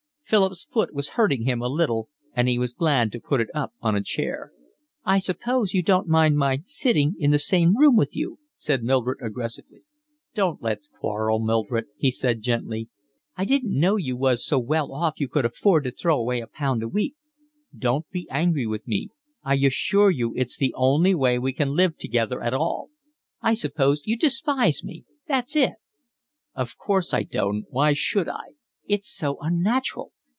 Philip's foot was hurting him a little, and he was glad to put it up on a chair. "I suppose you don't mind my sitting in the same room with you," said Mildred aggressively. "Don't let's quarrel, Mildred," he said gently. "I didn't know you was so well off you could afford to throw away a pound a week." "Don't be angry with me. I assure you it's the only way we can live together at all." "I suppose you despise me, that's it." "Of course I don't. Why should I?" "It's so unnatural."